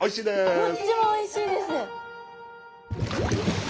どっちもおいしいです！